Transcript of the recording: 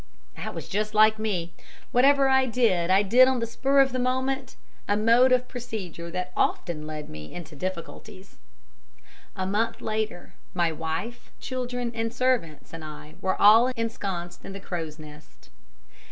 That was just like me. Whatever I did, I did on the spur of the moment, a mode of procedure that often led me into difficulties. A month later and my wife, children, servants, and I were all ensconced in the Crow's Nest.